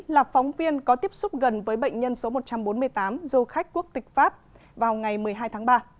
là phóng viên có tiếp xúc gần với bệnh nhân số một trăm bốn mươi tám du khách quốc tịch pháp vào ngày một mươi hai tháng ba